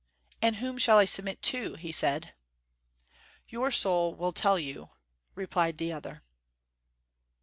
"And whom shall I submit to?" he said. "Your soul will tell you," replied the other.